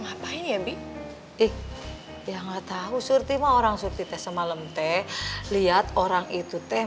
ngapain ya bi ih ya nggak tahu surtima orang surti teh semalam teh lihat orang itu teh